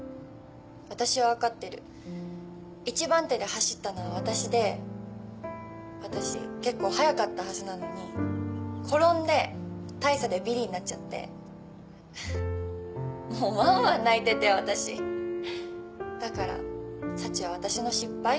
私はわかってる１番手で走ったのは私で私結構速かったはずなのに転んで大差でビリになっちゃってもうわんわん泣いてて私だからサチは私の失敗？